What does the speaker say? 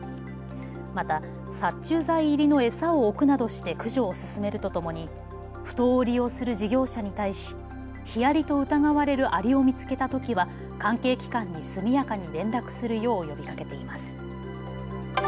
また殺虫剤入りの餌を置くなどして駆除を進めるとともにふ頭を利用する事業者に対しヒアリと疑われるアリを見つけたときは関係機関に速やかに連絡するよう呼びかけています。